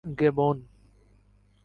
گیبون